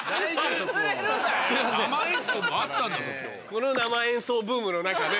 この生演奏ブームの中ね。